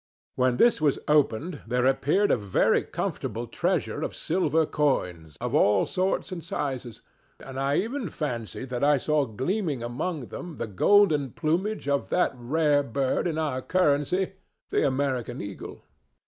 When this was opened, there appeared a very comfortable treasure of silver coins of all sorts and sizes, and I even fancied that I saw gleaming among them the golden plumage of that rare bird in our currency the American eagle.